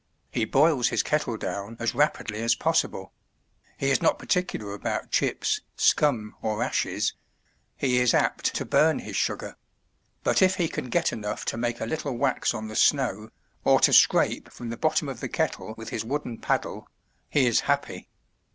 He boils his kettle down as rapidly as possible; he is not particular about chips, scum, or ashes; he is apt to bum his sugar; but if he can get enough to make a little wax on the snow, or to scrape from the bottom of the kettle with his wooden paddle, he is happy.